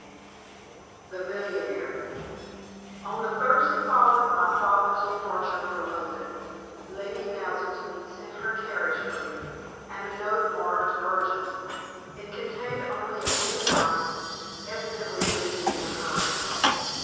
CHAPTER VI THE MILLIONAIRE On the Thursday following my father's departure for London Lady Naselton sent her carriage for me, and a note marked urgent. It contained only a few lines, evidently written in a hurry.